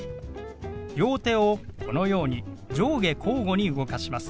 両手をこのように上下交互に動かします。